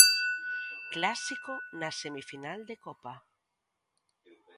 Clásico na semifinal de Copa.